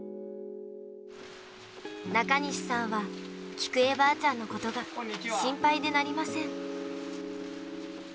中西さんは、菊恵ばあちゃんのことが心配でなりません。